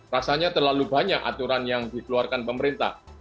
rasanya terlalu banyak aturan yang dikeluarkan pemerintah